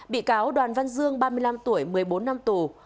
bị cáo đoàn văn dương ba mươi năm tuổi một mươi bốn năm tù